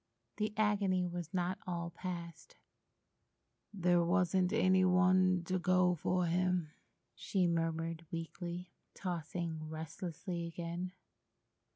The agony was not all passed. "There wasn't any one to go for him," she murmured weakly, tossing restlessly again.